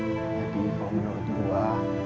jadi kalau menurut gua